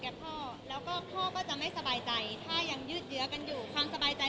ขอให้เข้าใจกันดีค่ะเพราะว่ายังไงแล้วมันก็คือครอบครัว